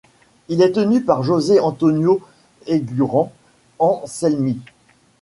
Il est tenu par José Antonio Eguren Anselmi.